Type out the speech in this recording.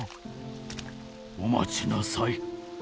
お待ちなさい。